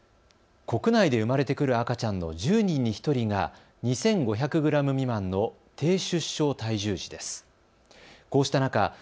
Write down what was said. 国内で産まれてくる赤ちゃんの１０人に１人が２５００グラム未満の低出生体重児です。